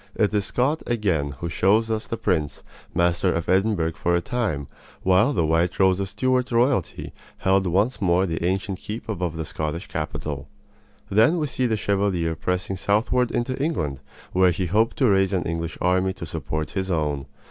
It is Scott again who shows us the prince, master of Edinburgh for a time, while the white rose of Stuart royalty held once more the ancient keep above the Scottish capital. Then we see the Chevalier pressing southward into England, where he hoped to raise an English army to support his own.